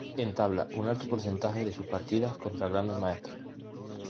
Entabla un alto porcentaje de sus partidas contra grandes maestros.